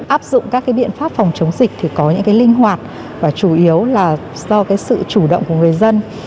áp dụng các cái biện pháp phòng chống dịch thì có những cái linh hoạt và chủ yếu là do cái sự chủ động của người dân